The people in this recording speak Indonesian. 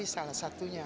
ini salah satunya